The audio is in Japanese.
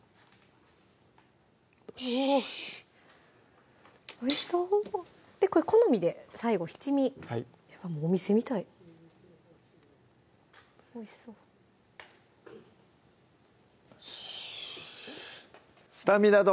おぉおいしそうで好みで最後七味はいいやもうお店みたいおいしそうよしっ「スタミナ丼」